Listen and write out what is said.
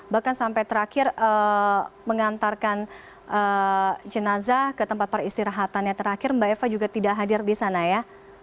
bahkan sampai terakhir mengantarkan jenazah ke tempat peristirahatannya terakhir mbak eva juga tidak hadir di sana ya